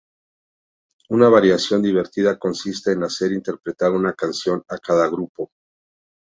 Una variación divertida consiste en hacer interpretar una canción a cada grupo.